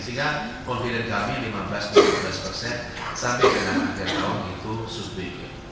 sehingga confident kami lima belas tujuh belas persen sampai dengan akhir tahun itu susbi